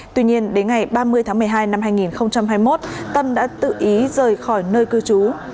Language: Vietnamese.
tuy nhiên đến ngày ba mươi tháng một mươi hai năm hai nghìn hai mươi một tâm đã tự ý rời khỏi nơi cư trú